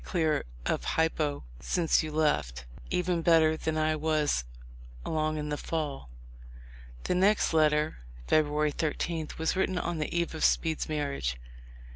221 clear of hypo since you left, even better than I was along in the fall." The next letter, February 13, was written on the eve of Speed's marriage.